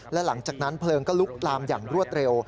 และหลังจากนั้นเพลิงก็ลุกลามอย่างรวดเร็ว